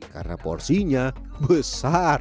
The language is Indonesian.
karena porsinya besar